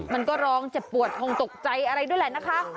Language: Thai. มันก็ร้องเจ็บปวดคงตกใจอะไรด้วยแหละนะคะ